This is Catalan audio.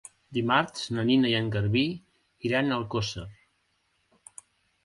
Dimarts na Nina i en Garbí iran a Alcosser.